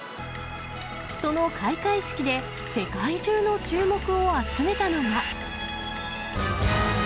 その開会式で、世界中の注目を集めたのが。